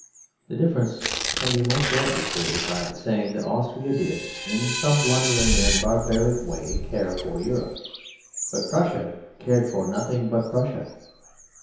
The difference can be most shortly stated by saying that Austria did, in some blundering and barbaric way, care for Europe; but Prussia cared for nothing but Prussia.